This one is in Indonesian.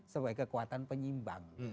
sebagai kekuatan penyimbang